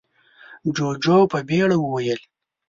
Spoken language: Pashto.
جُوجُو په بيړه وويل: